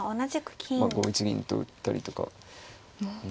５一銀と打ったりとか。